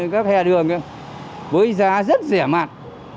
các hè đường với giá rất rẻ mạt